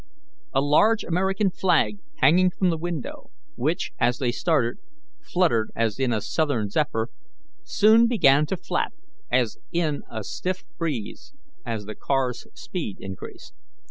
A large American flag hanging from the window, which, as they started, fluttered as in a southern zephyr, soon began to flap as in a stiff breeze as the car's speed increased.